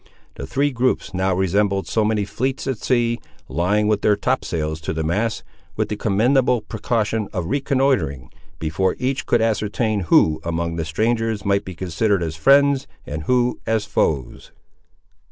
The three groups now resembled so many fleets at sea, lying with their topsails to the masts, with the commendable precaution of reconnoitring, before each could ascertain who among the strangers might be considered as friends, and who as foes.